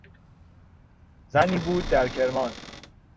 زنی بود در کرمان